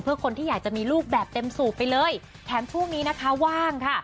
เพื่อคนที่อยากจะมีลูกแบบเต็มสูบไปเลยแถมช่วงนี้นะคะว่างค่ะ